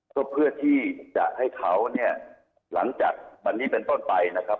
ก็เพื่อที่จะให้เขาเนี่ยหลังจากวันนี้เป็นต้นไปนะครับ